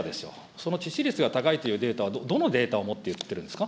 その致死率が高いというデータは、どのデータをもって言っているんですか。